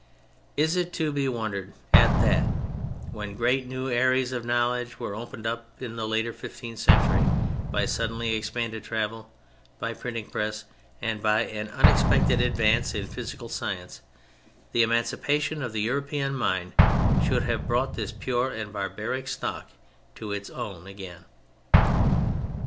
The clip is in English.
"Is it to be wondered at that when great new areas of knowledge were opened up in the later fifteenth century by suddenly expanded travel, by the printing press, and by an unexpected advance in physical science, the emancipation of the European mind should have brought this pure and barbaric stock to its own again?